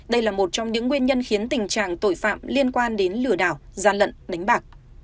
đây là một trong những nguyên nhân khiến tình trạng tội phạm liên quan đến lừa đảo gian lận đánh bạc